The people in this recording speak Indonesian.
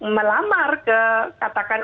melamar ke katakan